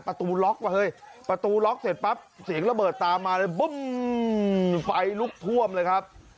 ประตูล็อกมาเฮ้ยประตูล็อกเสร็จปั๊บเสียงระเบิดตามมาเลยบึ้มไฟลุกท่วมเลยครับ